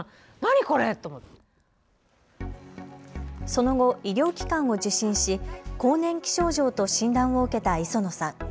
その後、医療機関を受診し更年期症状と診断を受けた磯野さん。